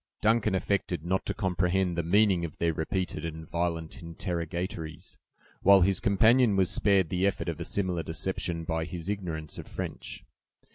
Duncan affected not to comprehend the meaning of their repeated and violent interrogatories, while his companion was spared the effort of a similar deception by his ignorance of French.